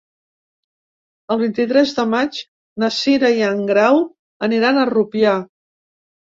El vint-i-tres de maig na Cira i en Grau aniran a Rupià.